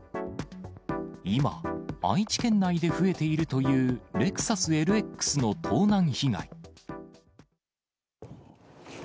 今、愛知県内で増えているというレクサスＬＸの盗難被害。